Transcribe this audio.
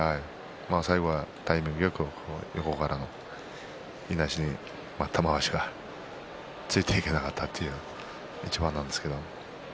最後はタイミングよく横からのいなしで玉鷲がついていけなかったということですね。